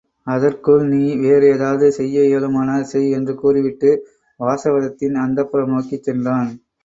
அதற்குள் நீ வேறு ஏதாவது செய்ய இயலுமானால் செய் என்று கூறிவிட்டு வாசவதத்தையின் அந்தப் புரம் நோக்கிச் சென்றான்.